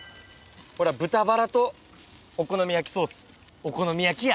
ほら豚バラとお好み焼きソースお好み焼きや。